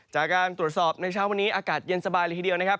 จากการตรวจสอบในเช้าวันนี้อากาศเย็นสบายเลยทีเดียวนะครับ